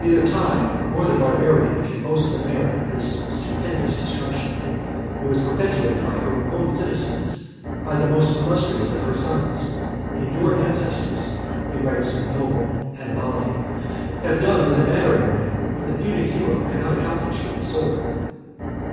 neither time nor the Barbarian can boast the merit of this stupendous destruction: it was perpetrated by her own citizens, by the most illustrious of her sons; and your ancestors (he writes to a noble Annabaldi) have done with the battering ram what the Punic hero could not accomplish with the sword."